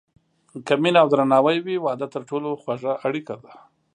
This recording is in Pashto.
که مینه او درناوی وي، واده تر ټولو خوږه اړیکه ده.